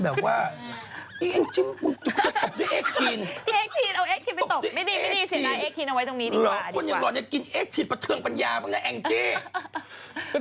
แถ่ภาพก็ได้ถ่ายพ่อจากพี่แมน